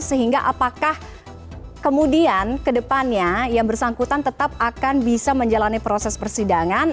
sehingga apakah kemudian kedepannya yang bersangkutan tetap akan bisa menjalani proses persidangan